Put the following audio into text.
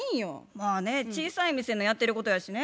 まあね小さい店のやってることやしね。